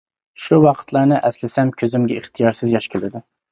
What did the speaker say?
شۇ ۋاقىتلارنى ئەسلىسەم كۆزۈمگە ئىختىيارسىز ياش كېلىدۇ!